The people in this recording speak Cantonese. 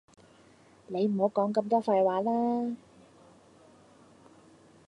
你唔好講咁多廢話啦